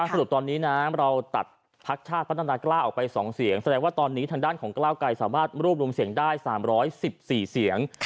สรุปตอนนี้นะเราตัดพักชาติพัฒนากล้าออกไป๒เสียงแสดงว่าตอนนี้ทางด้านของกล้าวไกรสามารถรวบรวมเสียงได้๓๑๔เสียง